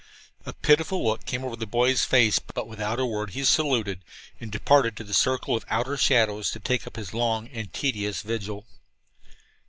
A pitiful look came over the boy's face, but without a word he saluted and departed to the circle of outer shadows to take up his long and tedious vigil.